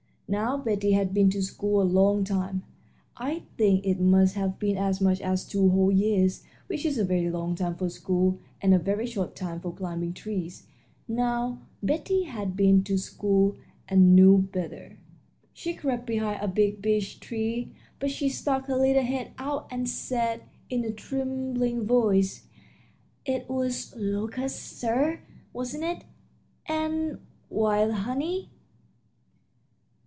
Now, Betty had been to school a long time I think it must have been as much as two whole years, which is a very long time for school and a very short time for climbing trees now, Betty had been to school and knew better. She crept behind a big beech tree, but she stuck her little head out and said, in a trembling voice: "It was locusts, sir, wasn't it and wild honey?"